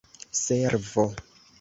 servo